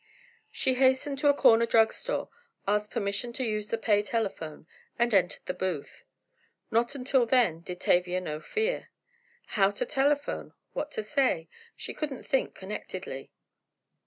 She hastened to a corner drug store, asked permission to use the pay telephone, and entered the booth. Not until then did Tavia know fear! How to telephone, what to say—she couldn't think connectedly.